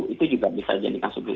itu juga bisa dijadikan